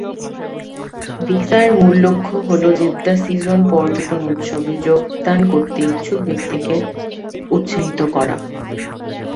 ভিসার মূল লক্ষ্য হল "জেদ্দা সিজন" পর্যটন উৎসবে যোগদান করতে ইচ্ছুক ব্যক্তিদের উৎসাহিত করা।